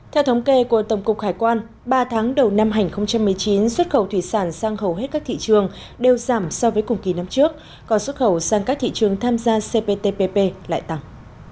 theo thống kê của tổng cục hải quan ba tháng đầu năm hai nghìn một mươi chín xuất khẩu thủy sản sang hầu hết các thị trường đều giảm so với cùng kỳ năm trước còn xuất khẩu sang các thị trường tham gia cptpp lại tăng